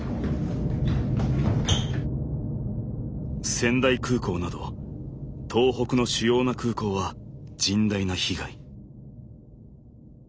仙台空港など東北の主要な空港は甚大な被害。